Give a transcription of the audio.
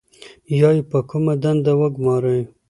یا یې په کومه دنده وګمارئ.